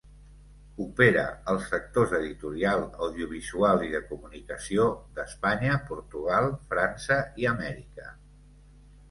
Opera als sectors editorial, audiovisual i de comunicació d'Espanya, Portugal, França i Amèrica.